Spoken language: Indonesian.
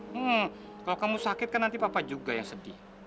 hmm kalau kamu sakit kan nanti papa juga yang sedih